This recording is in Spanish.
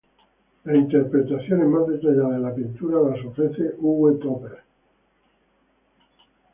La interpretación más detallada de las pinturas las ofrece Uwe Topper.